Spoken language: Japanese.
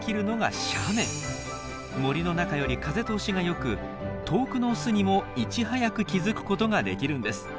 森の中より風通しがよく遠くのオスにもいち早く気付くことができるんです。